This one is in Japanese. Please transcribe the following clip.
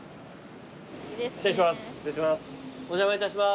失礼します